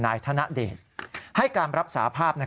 นายธนเดชน์ให้การรับสาภาพ